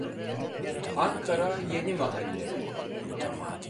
Ankara Yenimahalle